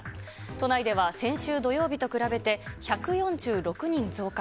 都内では先週土曜日と比べて１４６人増加。